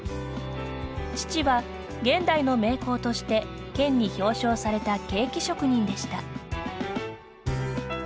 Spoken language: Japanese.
父は、現代の名工として県に表彰されたケーキ職人でした。